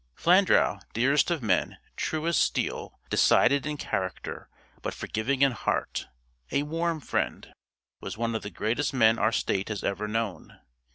Flandrau, dearest of men, true as steel, decided in character, but forgiving in heart, a warm friend was one of the greatest men our state has ever known.